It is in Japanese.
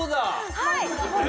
はい！